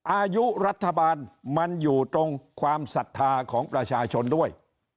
อายุรัฐบาลมันอยู่ตรงความศรัทธาของประชาชนด้วย